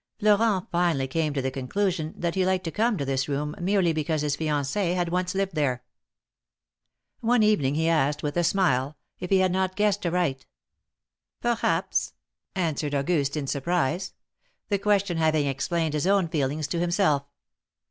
Florent finally came to the con clusion that he liked to come to this room, merely because his fiancee had once lived there. One evening he asked, with a smile, if he had not guessed aright. Perhaps,'^ answered Auguste, in surprise ; the question having explained his own feelings to himself.